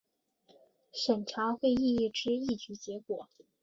审查会议之议决结果